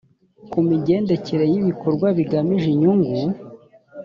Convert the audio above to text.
ku migendekere y ibikorwa bigamije inyungu